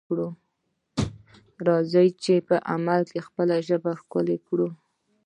راځئ چې په عمل کې خپله ژبه ښکلې کړو.